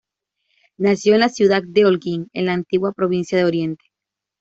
Nació en la ciudad de Holguín, en la antigua provincia de Oriente.